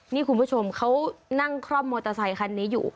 นี่คุณผู้ชมเขานั่งคล่อมมอเตอร์ไซคันนี้อยู่